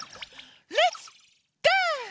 レッツダンス！